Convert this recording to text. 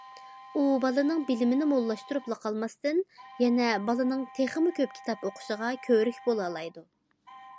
ئۇ، بالىنىڭ بىلىمىنى موللاشتۇرۇپلا قالماستىن، يەنە بالىنىڭ تېخىمۇ كۆپ كىتاب ئوقۇشىغا كۆۋرۈك بولالايدۇ.